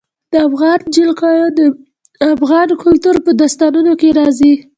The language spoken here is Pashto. د افغانستان جلکو د افغان کلتور په داستانونو کې راځي.